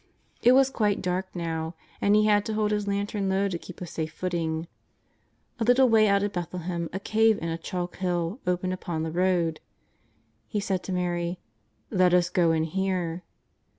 It was quite dark now, and he had to hold his lantern low to keep a safe footing. A little way out of Beth lehem a cave in a chalk hill opened upon the road. He said to Mary: ^' Let us go in here."